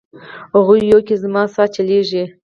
هغه یوه کي زما سا چلیږي